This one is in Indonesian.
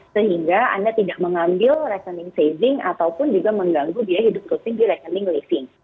sehingga anda tidak mengambil rekening saving ataupun juga mengganggu biaya hidup rutin di rekening living